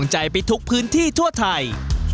ใจไปทุกพื้นที่ทั่วไทย